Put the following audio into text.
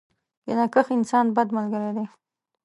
کینه کښ انسان ، بد ملګری دی.